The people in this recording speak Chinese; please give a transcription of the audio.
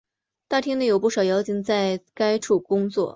大厅内有不少妖精在该处工作。